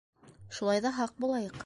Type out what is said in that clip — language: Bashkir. — Шулай ҙа, һаҡ булайыҡ.